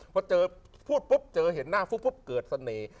พอเจอพูดปุ๊บเจอเห็นหน้าฟุ๊บเกิดเสน่ห์